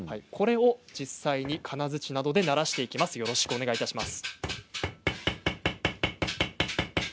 実際に金づちなどでならしていきます。